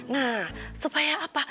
nah supaya apa